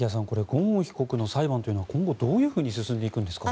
ゴーン被告の裁判というのは今後、どういうふうに進んでいくんですか？